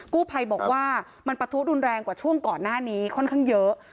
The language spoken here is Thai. กู้ภัยบอกว่ามันปะทุรุนแรงกว่าช่วงก่อนหน้านี้ค่อนข้างเยอะ